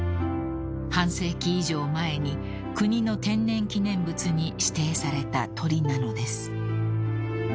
［半世紀以上前に国の天然記念物に指定された鳥なのです］